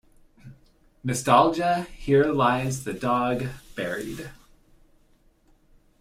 Nostalgia Here lies the dog buried.